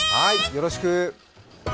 よろしく。